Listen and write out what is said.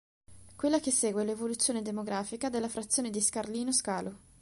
Quella che segue è l'evoluzione demografica della frazione di Scarlino Scalo.